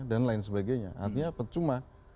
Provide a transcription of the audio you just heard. dan lain sebagainya